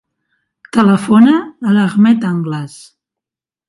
Telefona a l'Ahmed Angles.